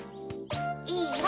いいわ！